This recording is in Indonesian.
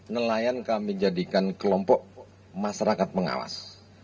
nelayan kami jadikan kelompok masyarakat pengawas